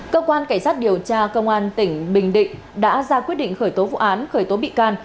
cơ quan cảnh sát điều tra công an tỉnh bình định đã ra quyết định khởi tố vụ án khởi tố bị can